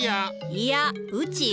いやうちや。